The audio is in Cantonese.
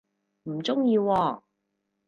唔鍾意喎